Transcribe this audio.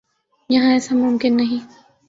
یہاں ایسا ممکن نہیں۔